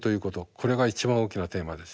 これが一番大きなテーマです。